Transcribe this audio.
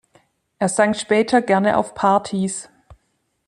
Er sang später gerne auf Partys.